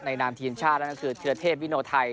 ในนามทีมชาติ๒๐ชาติและแล้วก็คือโถยเทศวินูไทย